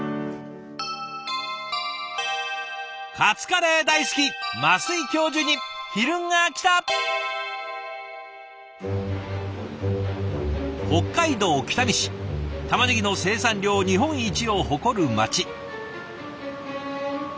カツカレー大好き北海道北見市たまねぎの生産量日本一を誇る町。